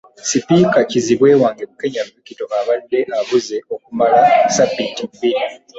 Sipiika, Kizibwe wange Bukenya Victor abadde abuze okumala Ssabbiiti bbiri.